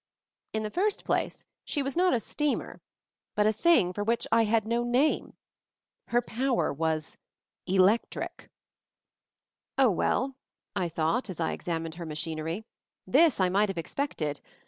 In the first place, she was not a 30 MOVING THE MOUNTAIN "steamer," but a thing for which I had no name ; her power was electric, "Oh, well," I thought, as I examined her machinery, "this I might have expected.